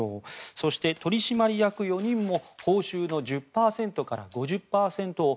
そして、取締役４人も報酬の１０％から５０％を